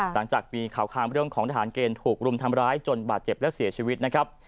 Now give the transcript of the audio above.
หลังจากมีข่าวคางเรื่องของทหารเกณฑ์ถูกรุมทำร้ายจนบาดเจ็บและเสียชีวิตนะครับ